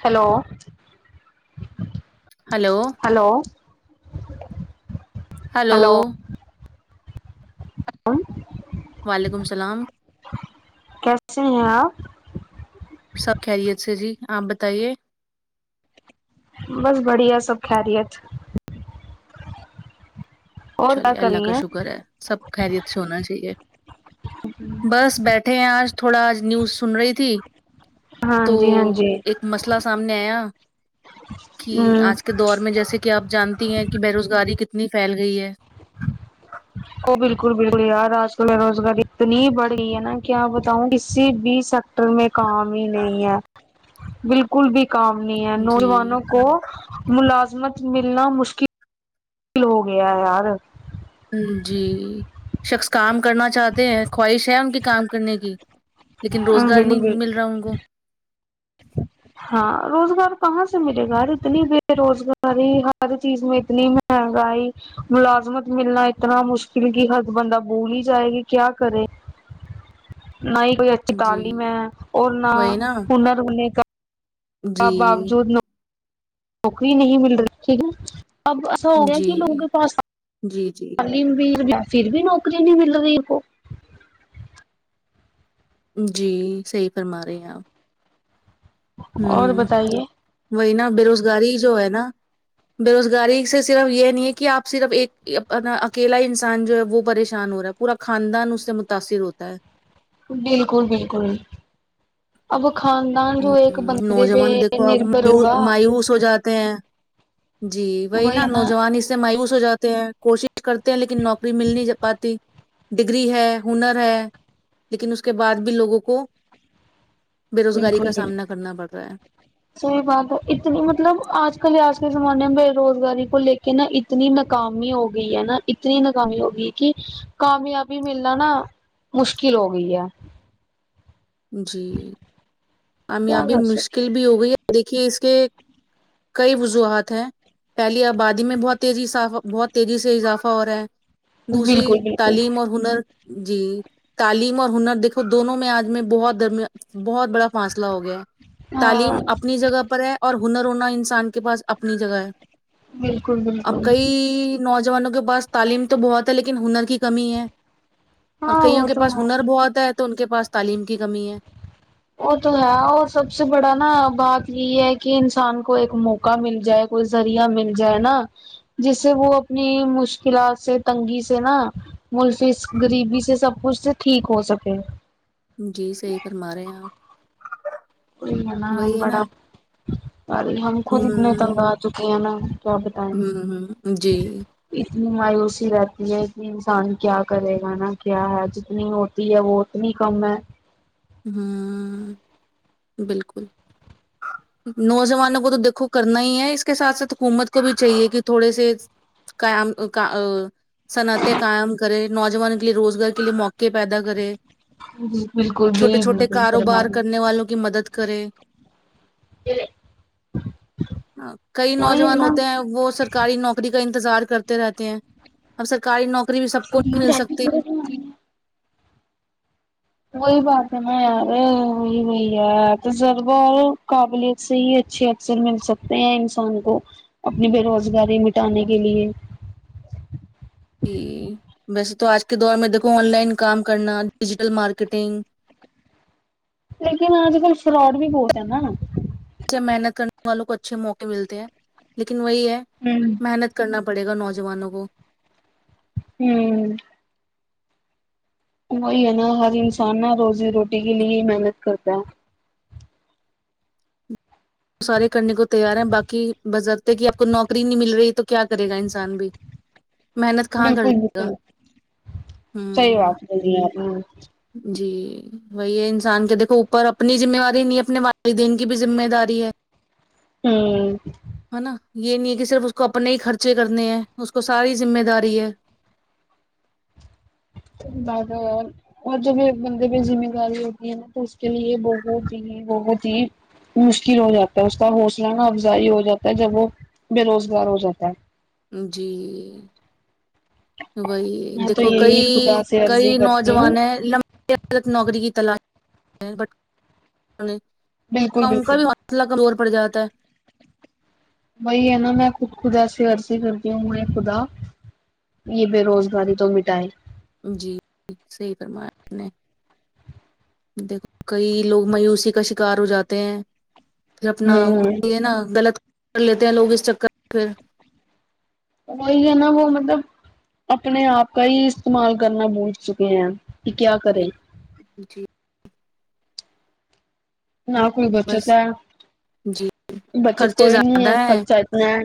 Hello hello hello hello [unintelligible] وعلیکم السلام کیسے ہیں آپ سب خیریت سے جی آپ بتائیے بس بڑھیا سب خیریت اور کیا چلیے کر اللہ کا رہی ہیں شکر ہے سب خیریت سے ہونا چاہیے بس بیٹھے ہیں آج تھوڑا آج نیوز سن رہی تھی تو ہاں جی ہاں جی ایک مسئلہ سامنے آیا کی ہوں آج کے دور میں جیسے کہ آپ جانتی ہیں کہ بے روزگاری کتنی پھیل گئی ہے ا بالکل بالکل یار آج کل بے روزگاری اتنی بڑھ گئی ہے نا کیا بتاؤں کسی بھی سک ٹر میں کام ہی نہیں ہے بالکل بھی کام نہیں ہے نوجوانوں جی کو ملازمت ملنا مشکل ہو گیا یار جی شخص کام کرنا چاہتے ہیں خواہش ہے ان کی کام کرنے کی لیکن روزگار بالکل نہیں بالکل مل رہا ان کو ہاں روزگار کہاں سے ملے گا اتنی بے روزگاری ہر چیز میں اتنی میں مہگای ملازمت ملنا اتنا مشکل کہ ہر بندہ بول ہی جائے گی کیا کرے نہ ہی کوئی اچھی جی تعلیم ہے اور نہ وہی نا ہنر ہونے کا جی باوجود نوکری نہیں مل رہی ٹھیک جی جی جی تعلیم پھر بھی نوکری نہیں مل رہی آپ کو جی صحیح فرما رہے ہیں آپ اور ہوں بتائیے وہی نا بے روزگاری جو ہے نا بے روزگاری سے صرف یہ نہیں ہے کہ آپ صرف ایک اپنا اکیلا انسان جو ہے وہ پریشان ہو رہا پورا خاندان اس سے متاثر ہوتا ہے بالکل بالکل ابو خان دان جو ایک ہوں بندے پہ نوجوان دیکھو آپ نربر مایو- ہوگا مایوس ہو جاتے ہیں جی وہی نا نوجوان اس سے مایوس ہو جاتے ہیں کوشش کرتے ہیں لیکن نوکری مل نہیں پاتی ڈگری ہے ہنر ہے لیکن اس کے بعد بھی لوگوں کو بے روزگاری بالکل کا بالکل سامنا کرنا پڑ رہا ہے صحیح بات ہے اتنی مطلب آج کل آج کے زمانے میں بے روزگاری کو لے کے نا اتنی ناکامی ہو گئی ہے نا اتنی ناکامی ہو گئی کہ کامیابی ملنا نا مشکل ہو گئی ہے جی کیا کامیابی کر سکتے مشکل بھی ہو گئی دیکھیے اس کے کئی وجوہات ہیں پہلی آبادی میں بہت تیزی ااف بہت تیزی سے اضافہ ہو رہا ہے ہیں۔ دوسری بالکل بالکل تعلیم اور ہنر جی تعلیم اور ہنر دیکھو دونوں میں آج میں بہت درمی بہت بڑا فاصلہ ہو گیا ہے ہاں تعلیم اپنی جگہ پر ہے اور ہنر ہونا انسان کے پاس اپنی جگہ ہے بالکل اب بالکل کئی نوجوانوں کے پاس تعلیم تو بہت ہے لیکن ہنر کی کمی ہے اور ہاں وہ کئیوں کے تو پاس ہے ہنر بہت ہے تو ان کے پاس تعلیم کی کمی ہے وہ تو ہے اور سب سے بڑا نا بات یہ ہے کہ انسان کو ایک موقع کا مل جائے کوئی ذریہ مل جائے نا جس سے وہ اپنی مشکلات سے تنگی سے نا ملفی غریبی سے سب کچھ سے ٹھیک ہو سکے جی صحیح فرما رہے ہیں آپ وہی ہے نا وہی ہے بڑا پر ہم خود اتنے تنگ ہ آچکے ہیں نا کیا بتائیں ہ ہ جی اتنی مایوسی رہتی ہے ک انسان کیا کرے گا نا کیا ہے جتنی ہوتی ہے وہ نی کم ہے ہوں بالکل نوجوانوں کو تو دیکھو کرنا ہی ہے اس کے ساتھ ساتھ حکومت کو بھی چاہیے کہ تھوڑے سے کام کا صنعتیں قائم کرے نوجوان کے لیے روزگار کے لیے موقع پیدا کرے جی چھوٹے چھوٹے کاروبار کرنے والوں کی مدد کرے کئی وہی ہے نوجوان نا ہوتے ہیں وہ سر سرکاری نوکری کا انتظار کرتے رہتے ہیں اب سرکاری نوکری بھی سب کو نہیں مل سکتی [unintelligible] وہی بات نا یار وہی وہی ہے تجربہ اور قابلیت سے ہی اچھے اثر مل سکتے ہیں انسان کو اپنی بے روزگاری مٹانے کے لیے ج ویسے تو آج کے دور میں دیکھو آن لائن کام کرنا ڈیجیٹل مارکیٹنگ لیکن آج کل فراڈ بھی بہت ہے نا اچھے محنت کرنے والوں کو اچھے موقع ملتے ہیں لیکن وہی ہے ہوں محنت کرنا پڑے گا نوجوانوں کو ہوں وہی ہے نا ہر انسان نا روزی روٹی کے لیے ہی محنت کرتا ہے سارے کرنے کو تیار ہیں باکی بزرتے کہ آپ کو نوکری نہیں مل رہی تو کیا کرے گا انسان بھی محنت کہاں کر بالکل لے گا بالکل صحیح ہوں بات جی وہی ہے انسان کے دیکھو اوپر اپنی ذمہ داری نہیں ہے اپنے والدین کی بھی ذمہ داری ہے ہوں ہے نا یہ نہیں ہے کہ صرف اس کو اپنے ہی خرچے کرنے ہیں اس کو ساری ذمہ داری ہے بگر اور جب ایک بندے پہ ذمہ داری ہوتی ہے نا تو اس کے لیے بہت ہی بہت ہی مشکل ہو جاتا ہے اس کا حوصلہ نہ افزائی ہو جاتا ہے جب وہ بے روزگار ہو جاتا ہے جی بھائی میں تو دیکھو یہی کئی خدا سے کئی عرضی کرتی ہوں نوجوان ہیں لم نوکری کی تلاش کا بھی بالکل بالکل [unintelligible] مسلہ کمزور پڑ جاتا ہے وہی ہے نا میں خود خد ایسی عرضی کرتی ہوں یہ خدا یہ بے روزگاری تو مٹائے جی صحیح فرمایا آپ نے دیکھو کئی لوگ مایوسی کا شکار ہو جاتے ہیں پھر اپنا ہوں یہ نا غلط کر لیتے ہیں لوگ اس چکر پھر وہی ہے نا وہ مطلب اپنے آپ کا ہی استعمال کرنا بھول چکے ہیں کہ کیا کریں [unintelligible] نا کوئی بچت بس ہے جی بچت خرچے کوئی نہیں زیادہ ہے ہیں خرچہ اتنا ہے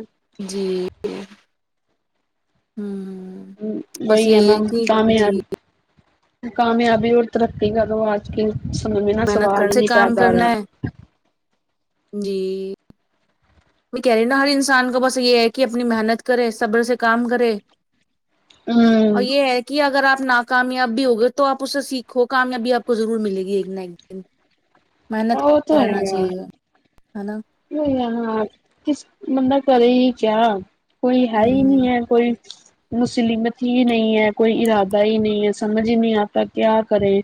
جی ہوں وہ بس ہے یہی نام کہ جی کامیان کامیابی اور ترقی کرو آج کل سمے میں نہا محنت سوال کرنے سے نہیں کام پیدا ہو رہا کرنا ہے جی میں کہہ رہی ن ہر انسان کا بس یہ ہے کہ اپنی محنت کرے صبر سے کام کرے ہوں اور یہ ہے کہ اگر آپ ناکامیاب بھی ہو گے تو آپ اس سے سیکھو کامیابی آپ کو ضرور ملے گی ایک نہ ایک دن محنت وہ کر رہنا چاہیے ہے نا نہیں یہاں کس من نہ کرے ہی کیا کوئی ہے ہی نہیں ہے کوئی مسلممت ہی نہیں ہے کوئی ارادہ ہی نہیں ہے سمجھ ہی نہیں آتا کیا کریں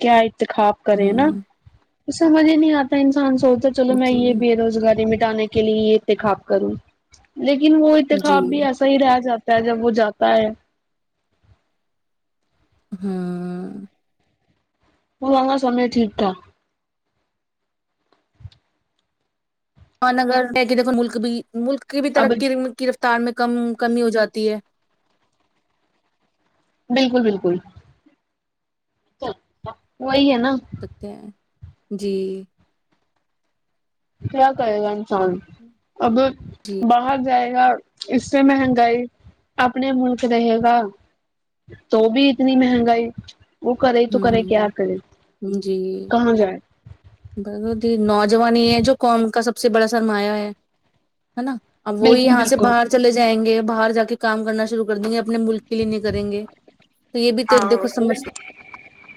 کیا اتخاب ہ کرے نا ہ تو سمجھ ہی نہیں آتا انسان سوچتا چلو میں جی یہ بھی روزگاری مٹانے کے لیے یہ انتخاب کروں لیکن وہ جی اتخاب بھی ایس صحیح رہ جاتا ہے جب وہ جاتا ہے ہاں وہ والا سمے ٹھیک تھا ان اگر کہ دیکھو ملک بھی ملک کی بھی اب ترقی کی رفتار میں کم کمی ہو جاتی ہے بالکل بالکل وہی ہے نا ہیں جی کیا کرے گا انسان اگر جی باہر جائے گا اس سے مہنگائی اپنے ملک رہے گا تو بھی اتنی مہنگائی وہ کرے تو کرے کیا ہوں کرے کہاں جائے ب نوجوان ہی ہے جو قوم کا سب سے بڑا سرمایہ ہے ہے نا اب وہی بالکل یہاں سے بالکل باہر چلے جائیں گے باہر جا کے کام کرنا شروع کر دیں گے اپنے ملک کے لیے نہیں کریں گے تو یہ بھی تو ایک ہاں دیکھو سمجھ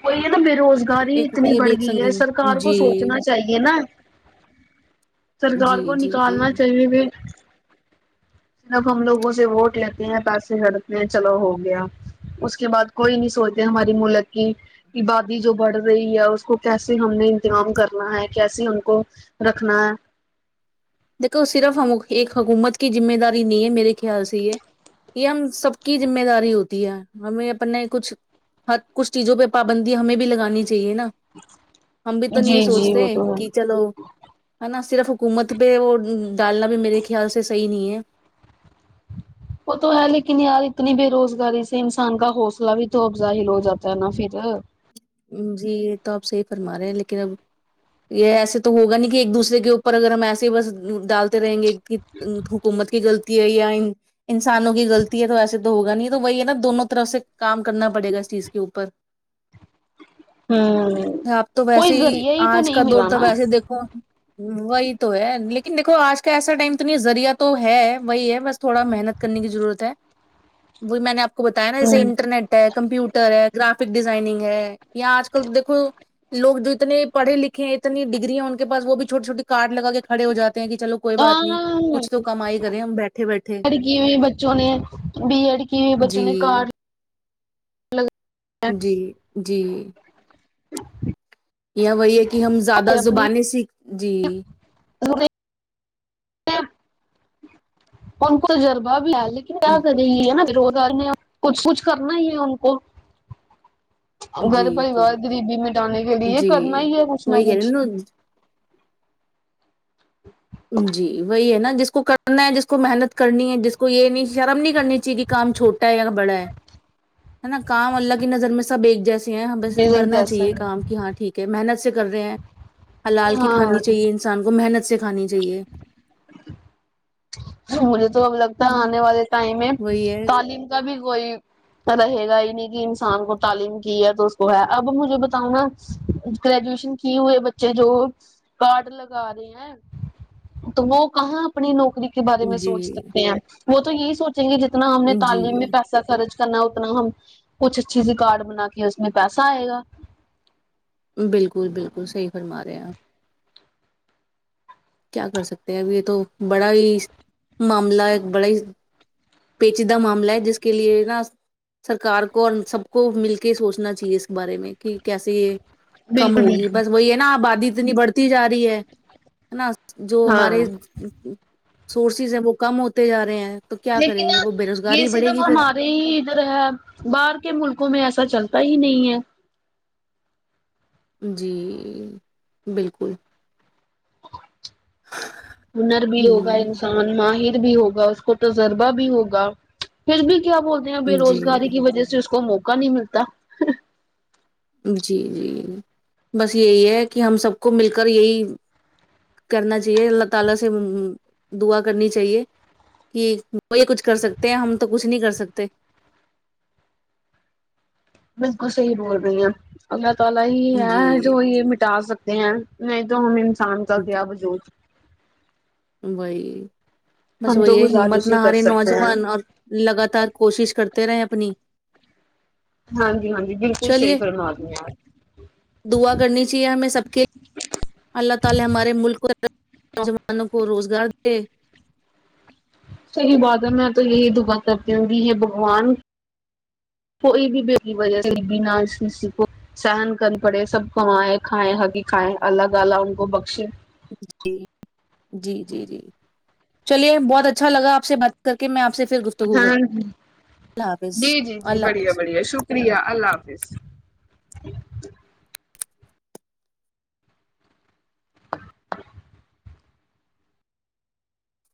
وہی ہے نا بیروز گاری ایک اتنی یہ بھی بڑھ ایک گئی ہے سنگین سرکار کو جی سوچنا چاہیے نا سرکار جی کو جی جی نکالنا چاہیے صرف ہم لوگوں سے ووٹ لیتے ہیں پیسے ہڑتے ہیں چلو ہو گیا اس کے بعد کوئی نہیں سوچتے ہماری ملک کی عبادی جو بڑھ رہی ہے اس کو کیسے ہم نے انتظام کرنا ہے کیسے ہم کو رکھنا ہے دیکو صرف ہم ایک حکومت کی ذمے داری نہیں ہے میرے خیال سے یہ یہ ہم سب کی ذمہ داری ہوتی ہے ہمیں اپنے کچھ ہر کچھ چیزوں پہ پابندی ہمیں بھی لگانی چاہیے نا ہم بھی تو نہیں یہ جی جی سوچتے وہ تو ہے کہ چلو ہے نا صرف حکومت پہ وہ ڈالنا بھی میرے خیال سے سہی نہیں ہے وہ تو ہے لیکن یار اتنی بے روزگاری سے انسان کا حوصلہ بھی تو ابزظاہل ہو جاتا ہے نا پھر جی یہ تو آپ صحیح فرما رہے ہیں لیکن اب یہ ایسے تو ہوگا نہیں کہ ایک دوسرے کے اوپر اگر ہم ایسے ہی بس ڈالتے رہیں گے حکومت کی غلطی ہے یا انسانوں کی غلطی ہے تو وسے تو ہوگا نہیں تو وہی ہے نا دونوں طرف سے کام کرنا پڑے گا اس چیز کے اوپر ہوں آپ تو کوئی ویسے ہی ذریعہ تو آج کا نہیں دور ملا تو نا ویسے ہی دیکھو وہی تو ہے لیکن دیکھو آج کا ایسا ٹائم تو نہیں ذریعہ تو ہے وہی ہے بس تھوڑا محنت کرنے کی ضرورت ہے وہ بھی میں نے آپ کو بتایا نا جیسے انٹرنیٹ ہے کمپیوٹر ہے گرافک ڈیزائنگ ہے یا آج کل دیکو لوگ جو اتنے پڑے لکھے ہیں اتنی ڈگگریا ہیں ان کے پس وہ بھی چھوٹی چھوٹی کار لگا کے کڑے ہو جاتے ہیں کہ چلو کوئی بات نہیں ہاں کچھ تو کمائی کریں ہم بیٹھے بیٹھے ای کی بچوں نے بی ایڈ کہ بچوں جی نے کار الگ جی جی ج یہ وہی ہے کہ ہم زیادہ زبانیں سیکھ جی ان کو تجربہ بھی لا لی کیا کرے گی ہے نا بوزار نے کچھ کچھ کرنا ہی ہے ان کو گھر جی جی پریوار غریبی مٹانے کے لیے یہ جی کر نا ہی ہے کچھ نہ وہی کہہ رہے کچھ نا جی وہی ہے نا جس کو کرنا ہے جس کو محنت کرنی ہے جس کو یہ نہیں شرم نہیں کرنی چاہیے کام چھوٹا ہے یا بڑا ہے ہے نا کام اللہ کی نظر میں سب ایک جیسے ہیں ہم بزل کرنا جیسا چاہیے ہی کام ہے کی ہاں ٹھیک ہے محنت سے کر رہے ہیں حلال کی کھانی ہاں چاہیے ان انسان کو محنت سے کھانی چاہیے مجھے تو اب لگتا ہے آنے والے ٹائم میں وہی ہے تعلیم کا بھی کوئی رہے گا ہی نہیں کہ انسان کو تعلیم کی ہے تو اس کو ہے اب مجھے بتاؤں نا گریجویشن کی ہوئے بچے جو کارڈ لگا رہے ہیں تو وہ کہاں اپنی نوکری کے بارے میں سونچ جی سکتے ہیں وہ تو یہی سونچ چاہے جتنا ہم نے جی تعلیم میں پس ا خرچ کرنا اتنا ہم کچھ اچھی سی کارڈ بنا کے اس میں پیسہ آئے گا بالکل بالکل صحیح فرما رہے ہیں کیا کر سکتے ہیں اب یہ تو بڑا ہی معاملہ ایک بڑا ہی پیچیدہ معاملہ ہے جس کے لیے نا سرکار کو اور سب کو مل کے سوچنا چاہیے اس کے بارے میں کہ کیسے یہ کم بالکل ہوگی بس وہی ہے نا آبادی اتنی بڑھتی جا رہی ہے نا جو ہاں ہمارے سورسز ہیں وہ کم ہوتے جا رہے ہیں تو کیا کریں لیکن گے وہ بے روزگاری یہ ہی بڑھے صرف گی پھر ہمارے ہی ادھر ہے باہر کے ملکوں میں ایسا چلتا ہی نہیں ہے جی بالکل ہنر بھی ہوگا ہ انسان ماہر بھی ہوگا اس کو تجربہ بھی ہوگا پھر بھی کیا بولتے ہیں بے جی روزگاری کی وجہ سے اس کو موقع نہیں ملتا جی جی بس یہی ہے کہ ہم سب کو مل کر یہی کرنا چاہیے اللہ تعالی سے دعا کرنی چاہیے کہ وہ یہ کچھ کر سکتے ہیں ہم تو کچھ نہیں کر سکتے بالکل صحیح بول رہی ہیں اللہ تعالی ہی یہ جی ہے جو یہ مٹا سک تے ہیں نہیں تو ہم انسان کا کیا جی وجوود وہی بس ہم تو وہی ہے ہمت گزارش نہ ہی کر ہاری سکتے ہیں نوجوان اور لگاتار کوشش کرتے رہے اپنی ہاں جی ہاں جی بالکل صحیح چلیے فرما رہی ہیں آپ دعا کرنی چاہیے ہمیں سب کے اللہ تعالی ہمارے ملک کے نوجوانوں کو روزگار دے صحیح بات ہے میں تو یہی دعا کرتی ہوں گی یہ بہگوان کوئی بھی [unintelligible] وجہ [unintelligible] کسی کو سہن کر پڑے سب کمائے کھائیں حق کی کھائیں اللہ تعالی ان کو بخشے جی جی جی جی چلیے بہت اچھا لگا آ پ سے بات کر کے میں آ پ سے پھر گفتو ہاں ہ جی جی جی اللہ حافظ بڑھیا بڑھیا شکریہ اللہ حافظ